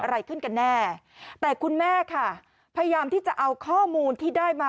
อะไรขึ้นกันแน่แต่คุณแม่ค่ะพยายามที่จะเอาข้อมูลที่ได้มา